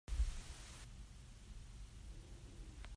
Zarhkhat ah voi zeizat dah na haa naa ṭeih?